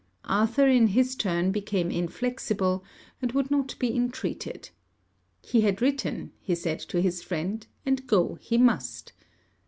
Arthur, in his turn, became inflexible, and would not be intreated. He had written, he said to his friend, and go he must.